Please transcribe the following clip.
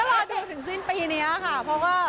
ก็รอดอยู่ถึงสิ้นปีนี้ค่ะเพราะว่า